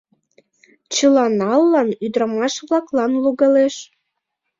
Чыла нелылык ӱдрамаш-влаклан логалеш.